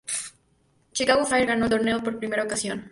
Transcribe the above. Chicago Fire ganó el torneo por primera ocasión.